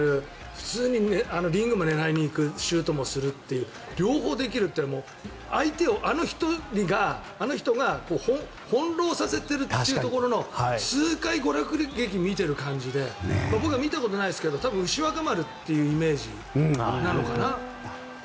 普通にリングも狙いに行くシュートもするという両方できるというのは相手をあの人が翻ろうさせているというところの痛快娯楽劇を見ている感じで僕は見たことないですけど牛若丸というイメージなのかな。